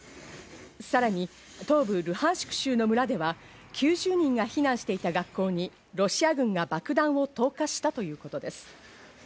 さらに東部ルハンシク州の村では、９０人が避難していた学校にロシア軍が爆弾を投下したということです。